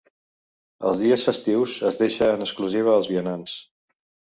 Els dies festius es deixa en exclusiva als vianants.